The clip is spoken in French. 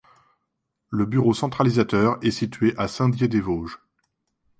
Le bureau centralisateur est situé à Saint-Dié-des-Vosges.